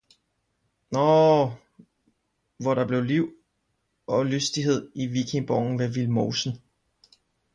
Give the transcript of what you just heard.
Naa, hvor der blev Liv og Lystighed i Vikingeborgen ved Vildmosen.